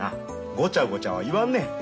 ごちゃごちゃは言わんねん。